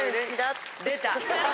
出た！